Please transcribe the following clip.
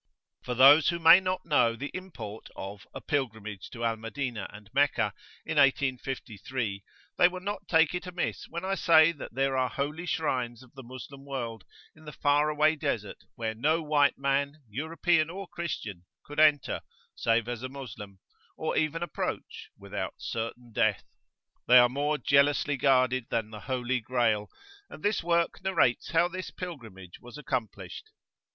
For those who may not know the import of "A Pilgrimage to Al Madinah and Meccah," in 1853, they will not take it amiss when I say that there are Holy Shrines of the Moslem world in the far away Desert, where no white man, European, or Christian, could enter (save as a Moslem), or even approach, without certain death. They are more jealously guarded than the "Holy Grail," and this Work narrates how this Pilgrimage was accomplished.